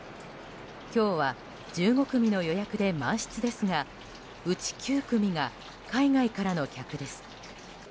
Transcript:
今日は１５組の予約で満室ですがうち９組が海外からの客です。